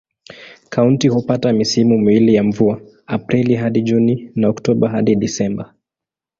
Kaunti hupata misimu miwili ya mvua: Aprili hadi Juni na Oktoba hadi Disemba.